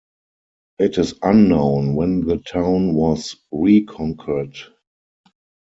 It is unknown when the town was reconquered.